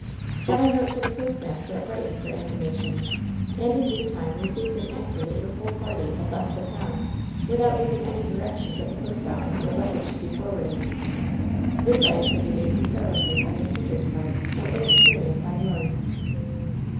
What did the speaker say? Then I wrote to the postmaster at Brighton for information, and in due time received an answer that your whole party had left the town, without leaving any directions at the post office where letters should be forwarded. This I attributed to carelessness on your teachers' part and inexperience on yours.'